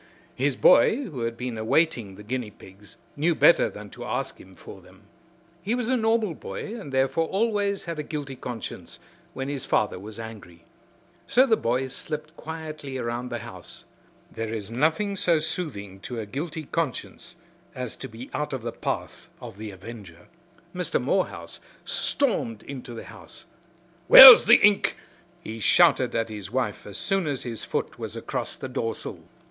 His boy, who had been awaiting the guinea pigs, knew better than to ask him for them. He was a normal boy and therefore always had a guilty conscience when his father was angry. So the boy slipped quietly around the house. There is nothing so soothing to a guilty conscience as to be out of the path of the avenger. Mr. Morehouse stormed into the house. "Where's the ink?" he shouted at his wife as soon as his foot was across the doorsill.